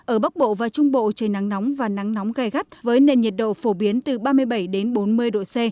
ở bắc bộ và trung bộ trời nắng nóng và nắng nóng gai gắt với nền nhiệt độ phổ biến từ ba mươi bảy đến bốn mươi độ c